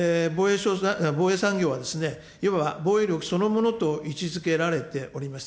防衛産業はいわば防衛力そのものと位置づけられております。